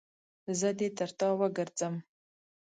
زه دې تر تا وګرځم.